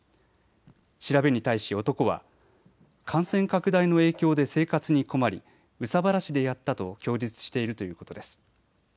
調べに対し男は感染拡大の影響で生活に困り憂さ晴らしでやったと供述しているということです。